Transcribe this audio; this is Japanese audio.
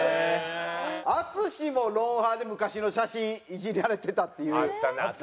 淳も『ロンハー』で昔の写真イジられてたっていう。